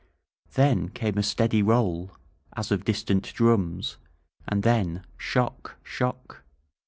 Then came a steady roll, as of distant drums, and then shock! shock!